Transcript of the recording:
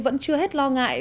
vẫn chưa hết lo ngại